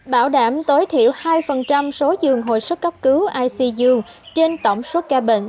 bảo đảm tối thiểu hai số dường hồi sức cấp cứu icu trên tổng số ca bệnh